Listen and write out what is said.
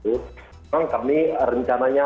memang kami rencananya